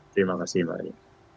terima kasih mari